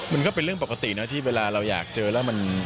มันก็เป็นเรื่องปกตินะที่เวลาเราอยากเจอแล้วมัน